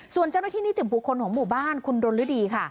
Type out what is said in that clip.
ส่วนเจ้าหน้าที่นิติบุคคลของหมู่บ้านคุณดนฤดีค่ะ